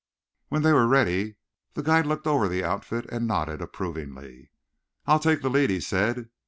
When they were ready, the guide looked over the outfit and nodded approvingly. "I'll take the lead," he said.